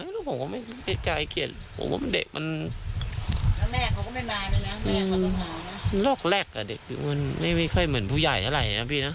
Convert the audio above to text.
และแม่คงก็ไม่มาเลยนะแม่มันต้องหาแวดกลับไป